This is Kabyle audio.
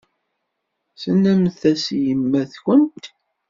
Tennamt-as i yemma-twent?